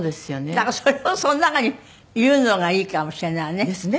だからそれをその中に言うのがいいかもしれないわね。ですね。